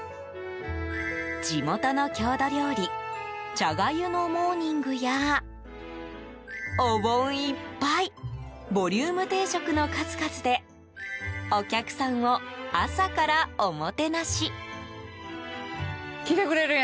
地元の郷土料理、茶がゆのモーニングやお盆いっぱいボリューム定食の数々でお客さんを朝からおもてなし。